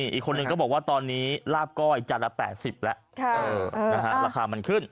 อีกคนนึงก็บอกว่าตอนนี้ลาบก้อยจานละ๘๐แล้วราคามันขึ้น